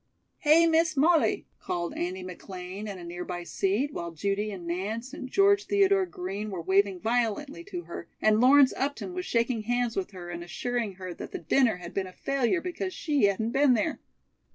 "Hey, Miss Molly!" called Andy McLean in a nearby seat, while Judy and Nance and George Theodore Green were waving violently to her, and Lawrence Upton was shaking hands with her and assuring her that the dinner had been a failure because she hadn't been there.